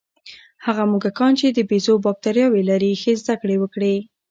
هغه موږکان چې د بیزو بکتریاوې لري، ښې زده کړې وکړې.